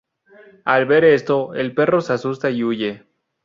Al ver esto, el perro se asusta y huye.